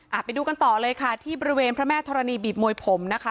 ไปดูกันต่อเลยค่ะที่บริเวณพระแม่ธรณีบีบมวยผมนะคะ